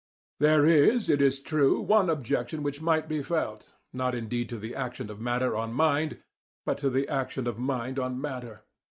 There is, it is true, one objection which might be felt, not indeed to the action of matter on mind, but to the action of mind on matter.